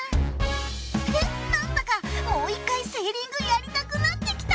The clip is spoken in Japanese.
フフなんだかもう一回セーリングやりたくなってきた。